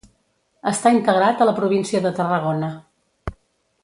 Està integrat a la província de Tarragona.